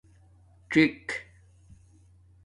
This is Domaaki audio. جِݣ